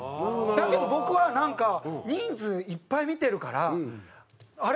だけど僕はなんか人数いっぱい見てるからあれ？